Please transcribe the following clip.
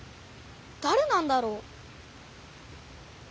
だれなんだろう？